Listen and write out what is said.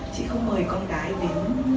chị không mời con gái đến